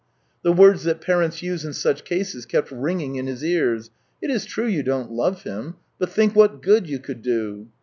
The words that parents use in such cases kept ringing in his ears: " It is true you don't love him, but think what good you could do